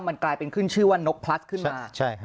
มันกลายเป็นขึ้นชื่อว่านกพลัสขึ้นมา